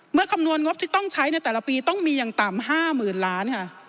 เมื่อคำนวณงบที่ต้องใช้ในแต่ละปีต้องมีอย่างต่ำ๕หมื่นล้าน